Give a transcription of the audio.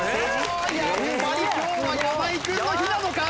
やっぱり今日は山井君の日なのか！？